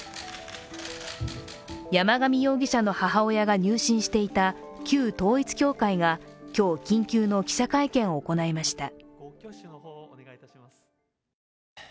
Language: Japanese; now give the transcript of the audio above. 山上容疑者の母親が入信していた旧統一教会が今日、緊急の記者会見を行いました。